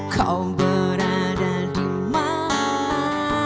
kau berada dimana